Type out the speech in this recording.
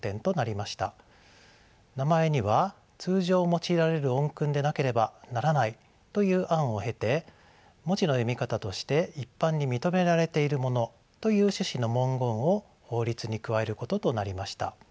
名前には通常用いられる音訓でなければならないという案を経て文字の読み方として一般に認められているものという趣旨の文言を法律に加えることとなりました。